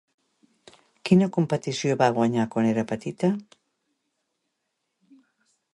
Quina competició va guanyar quan era petita?